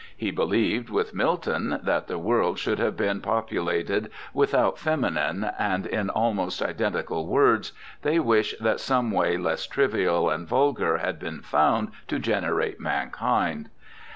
He believed, with Milton, that the world should have been populated ' without feminine ', and in almost identical words they wish that some way less trivial and vulgar had been found to generate mankind.